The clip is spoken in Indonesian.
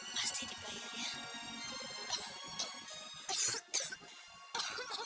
pasti dibayar ya